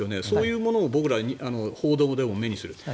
そういうものを僕ら報道でも目にする。